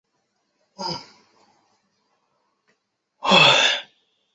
朝日电视台周五晚间九点连续剧系列播出的电视连续剧档次。